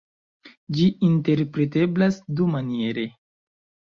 Ĝi interpreteblas dumaniere.